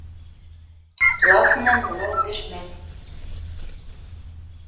Лаф менән былау бешмәҫ.